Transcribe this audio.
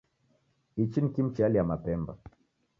Ichi ni kimu chealia mapemba